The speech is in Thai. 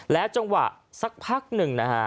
และจังหวะสักพักหนึ่ง